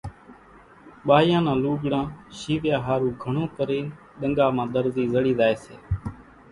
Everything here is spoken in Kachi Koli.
ٻايان نان لوڳڙان شيويا ۿارُو گھڻون ڪرين ۮنڳا مان ۮرزي زڙي زائي سي